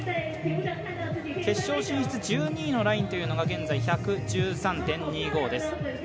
決勝進出１２位のラインというのが現在１１３．２５です。